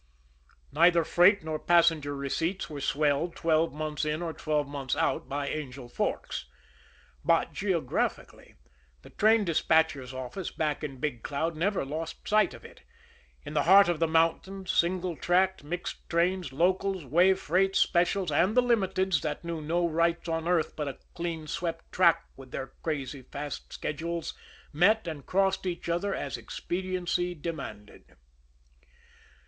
Neither freight nor passenger receipts were swelled, twelve months in or twelve months out, by Angel Forks; but, geographically, the train despatcher's office back in Big Cloud never lost sight of it in the heart of the mountains, single tracked, mixed trains, locals, way freights, specials, and the Limiteds that knew no "rights" on earth but a clean swept track with their crazy fast schedules, met and crossed each other as expediency demanded.